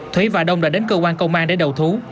thúy và đông đã đến cơ quan công an để đầu thú